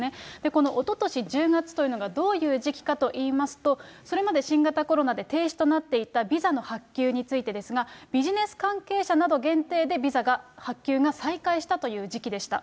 このおととし１０月というのがどういう時期かといいますと、それまで新型コロナで停止となっていたビザの発給についてですが、ビジネス関係者など限定でビザが、発給が再開したという時期でした。